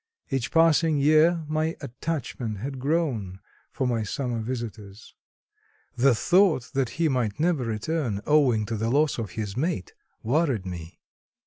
Each passing year my attachment had grown for my summer visitors. The thought that he might never return, owing to the loss of his mate, worried me.